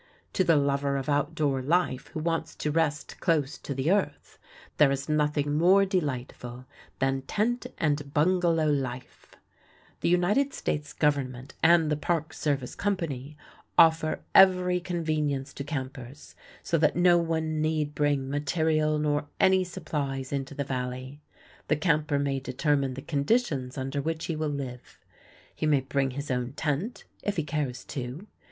To the lover of out door life who wants to rest close to the earth, there is nothing more delightful than tent and bungalow life. The United States Government and the Park Service Company offer every convenience to campers, so that no one need bring material nor any supplies into the Valley. The camper may determine the conditions under which he will live. He may bring his own tent, if he cares to.